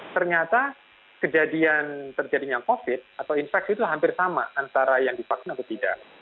ternyata kejadian terjadinya covid atau infeksi itu hampir sama antara yang divaksin atau tidak